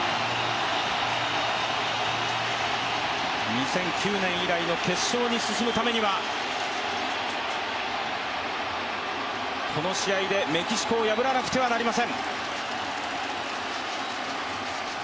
２００９年以来の決勝に進むためにはこの試合でメキシコを破らなくてはなりません。